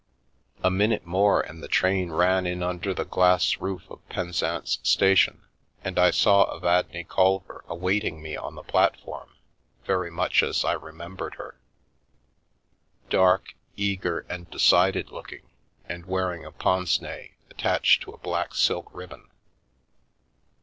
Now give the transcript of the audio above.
A minute more, and the train ran in under the glass roof of Penzance station, and I saw Evadne Culver ^ My Four Houses awaiting me on the platform, very much as I remembered her— dark, eager, and decided looking, and wearing a pince nez attached to a black silk ribbon.